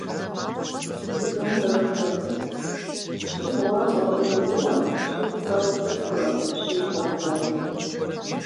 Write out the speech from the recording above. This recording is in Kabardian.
Си номерыр тхы: щибгъурэ тӏощӏрэ зырэ - щитхурэ пщыкӏутхурэ – щитӏрэ бгъурэ.